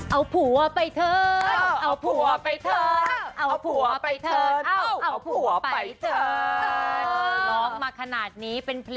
เอาผัวไปเถอะ